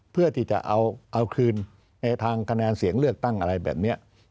เพื่อที่จะเอาคืนในทางคะแนนเสียงเลือกตั้งอะไรแบบนี้